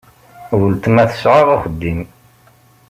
Weltma tesɛa axeddim.